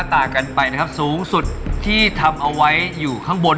ต่างกันไปนะครับสูงสุดที่ทำเอาไว้อยู่ข้างบน